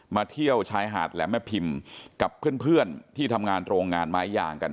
เที่ยวชายหาดแหลมแม่พิมพ์กับเพื่อนที่ทำงานโรงงานไม้ยางกัน